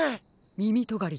みみとがり